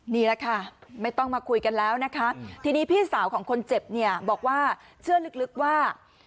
นี่แหละค่ะไม่ต้องมาคุยกันแล้วนะคะทีนี้พี่สาวของคนเจ็บเนี่ยบอกว่าเชื่อลึกว่า